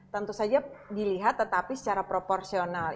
tentu saja dilihat tetapi secara proporsional